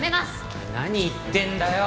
おい何言ってんだよ！